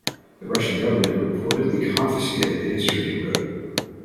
The Russian government reportedly confiscated the history he wrote.